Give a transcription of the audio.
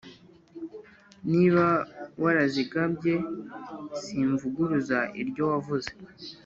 Niba warazigabye, simvuguruza iryo wavuze